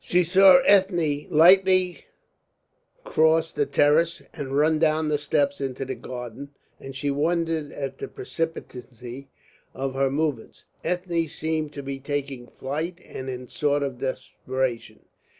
She saw Ethne lightly cross the terrace and run down the steps into the garden, and she wondered at the precipitancy of her movements. Ethne seemed to be taking flight, and in a sort of desperation.